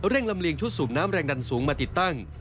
ลำเลียงชุดสูบน้ำแรงดันสูงมาติดตั้ง